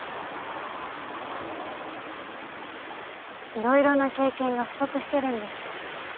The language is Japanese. いろいろな経験が不足してるんです。